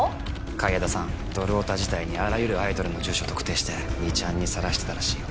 海江田さんドルオタ時代にあらゆるアイドルの住所特定して「２ちゃん」に晒してたらしいよ。